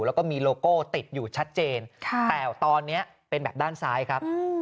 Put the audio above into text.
แล้วก็มีโลโก้ติดอยู่ชัดเจนแต่ตอนนี้เป็นแบบด้านซ้ายครับ